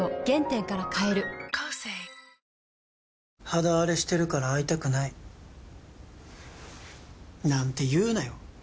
肌あれしてるから会いたくないなんて言うなよ